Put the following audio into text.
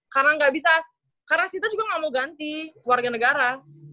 karena nggak bisa karena sita juga nggak mau ganti warga negara